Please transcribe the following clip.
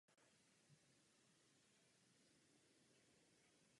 V současné době je známo až několik tisíc rytin různého datování.